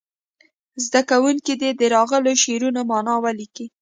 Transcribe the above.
زده کوونکي دې د راغلو شعرونو معنا ولیکي.